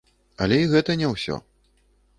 Але і гэта не ўсё.